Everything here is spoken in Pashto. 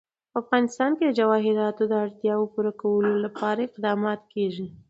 په افغانستان کې د جواهرات د اړتیاوو پوره کولو لپاره اقدامات کېږي.